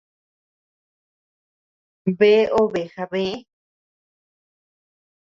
Bea obe jabë